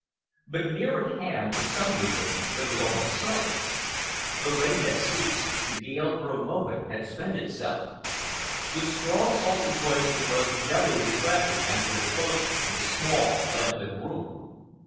But near at hand, for some reason, there was almost silence. The rain had ceased, the gale for a moment had spent itself. The strong, salty moisture was doubly refreshing after the closeness of the small, lamplit room.